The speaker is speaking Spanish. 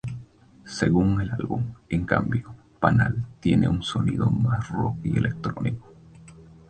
Su segundo álbum, en cambio, "Panal", tiene un sonido más "rock" y electrónico.